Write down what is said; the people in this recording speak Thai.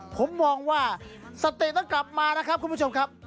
ผมมองว่าสตินั้นกลับมานะครับคุณผู้ชมครับ